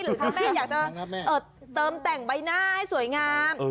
คุณแม่อยากจะเติมแต่งใบหน้าให้สวยงาม